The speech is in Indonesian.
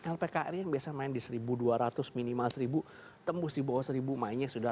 lpk ini yang biasa main di satu dua ratus minimal satu tembus di bawah satu mainnya sudah delapan ratus tujuh ratus enam ratus